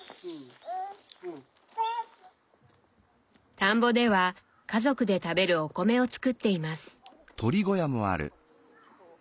田んぼでは家族で食べるお米を作っています。